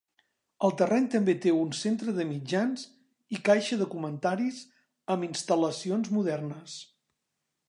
El terreny també té un centre de mitjans i caixa de comentaris amb instal·lacions modernes.